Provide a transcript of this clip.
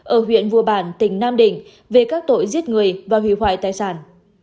ở huyện vũ bản tỉnh nam định về các tội giết người và hủy hoại tài sản